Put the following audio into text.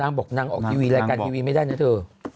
นางบอกนางออกการทีวีลูกแรงไม่ได้น่ะเธอ